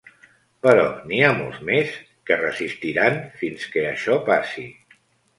Però n’hi ha molts més que resistiran fins que això passi.